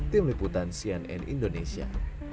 tim liputan cnn indonesia